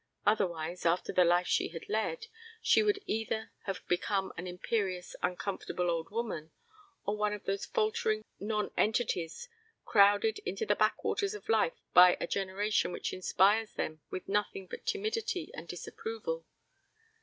Otherwise, after the life she had led, she would either have become an imperious uncomfortable old woman or one of those faltering non entities crowded into the backwaters of life by a generation which inspires them with nothing but timidity and disapproval.